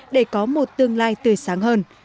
để có một tương lai tươi sáng hơn